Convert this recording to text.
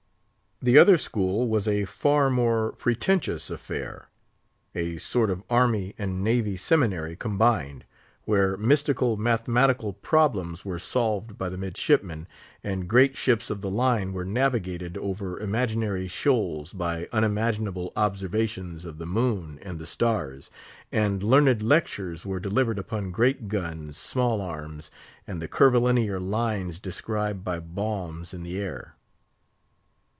The other school was a far more pretentious affair—a sort of army and navy seminary combined, where mystical mathematical problems were solved by the midshipmen, and great ships of the line were navigated over imaginary shoals by unimaginable observations of the moon and the stars, and learned lectures were delivered upon great guns, small arms, and the curvilinear lines described by bombs in the air.